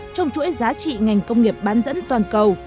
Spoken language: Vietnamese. trong chuỗi giá trị ngành công nghiệp bán dẫn toàn cầu